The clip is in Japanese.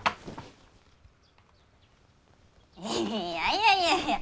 いやいやいやいや